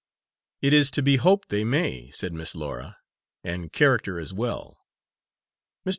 "It is to be hoped they may," said Miss Laura, "and character as well. Mr.